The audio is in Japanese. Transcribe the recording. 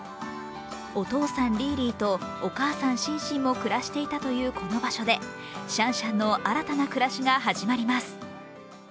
お父さん・リーリーとお母さん・シンシンも暮らしていたというこの場所でシャンシャンの新たな暮らしが始まります。